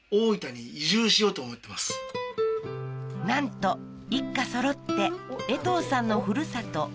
なんと一家そろってえとうさんのふるさと